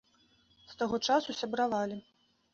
З таго часу сябравалі.